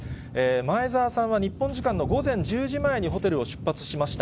前澤さんは日本時間の午前１０時前にホテルを出発しました。